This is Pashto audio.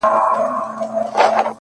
د وحشت؛ په ښاریه کي زندگي ده ـ